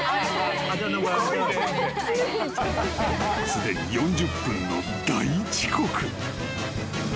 ［すでに４０分の大遅刻］